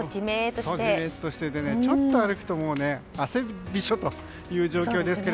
ジメッとしててねちょっと、歩くともう汗びっしょりという状況ですが。